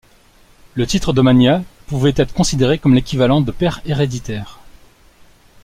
Le titre de magnat pouvait-être considéré comme l'équivalent de pair héréditaire.